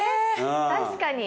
確かに。